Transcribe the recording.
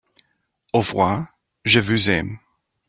Au revoir !… je vous aime !